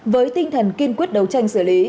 với tinh thần kiên quyết đấu tranh xử lý